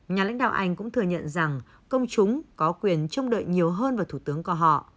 nhà lãnh đạo anh cũng thừa nhận rằng công chúng có quyền trông đợi nhiều hơn vào thủ tướng của họ